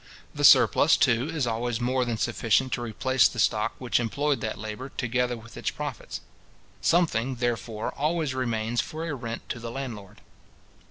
The surplus, too, is always more than sufficient to replace the stock which employed that labour, together with its profits. Something, therefore, always remains for a rent to the landlord.